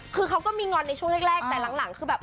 คือเขาก็มีงอนในช่วงแรกแต่หลังคือแบบ